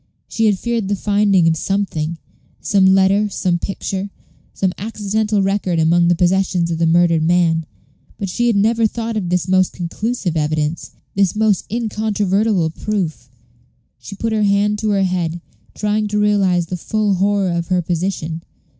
She had feared the finding of something some letter some picture some accidental record among the possessions of the murdered man, but she had never thought of this most conclusive evidence, this most incontrovertible proof. She put her hand to her head, trying to realize the full horror of her position.